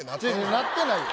なってない。